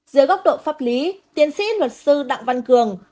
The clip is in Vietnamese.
dưới góc độ pháp lý tiến sĩ luật sư đặng văn cường